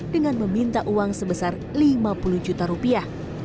dengan meminta uang sebesar lima puluh juta rupiah